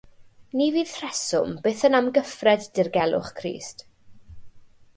Ni fydd rheswm byth yn amgyffred dirgelwch Crist.